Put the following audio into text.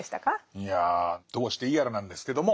いやどうしていいやらなんですけども。